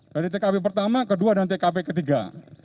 dari tkp pertama kedua dan tkp ketiga